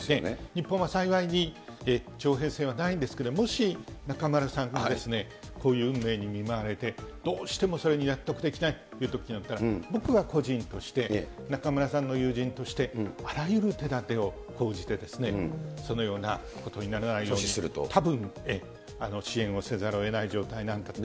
日本は幸いに、徴兵制はないんですが、もし中丸さんがですね、こういう運命に見舞われて、どうしてもそれに納得できないというときになったら、僕は個人として、中丸さんの友人として、あらゆる手立てを講じて、そのようなことにならないように、たぶん、支援をせざるをえない状態になるかと。